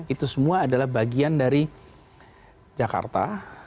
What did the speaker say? itu semua adalah bagian dari jakarta